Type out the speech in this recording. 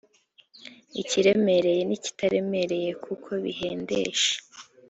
ikiremereye n’ikitaremereye kuko bihendesha.